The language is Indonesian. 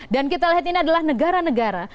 dan kita lihat ini adalah negara negara